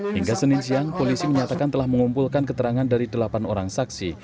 hingga senin siang polisi menyatakan telah mengumpulkan keterangan dari delapan orang saksi